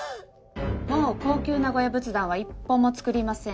もう高級名古屋仏壇は１本も作りません